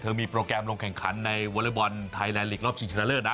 เธอมีโปรแกรมลงแข่งขันในวอลเลอร์บอลไทยแลนด์ลีกรอบจริงเท่าไหร่นะ